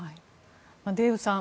デーブさん